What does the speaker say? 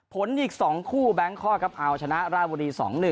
ผลอีก๒คู่แบงคอกครับเอาชนะราชบุรี๒๑